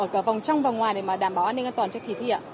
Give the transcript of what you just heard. ở cả vòng trong và vòng ngoài để đảm bảo an ninh an toàn cho kỳ thi ạ